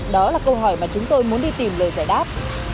đó là câu hỏi mà chúng tôi muốn đi tìm lời giải đáp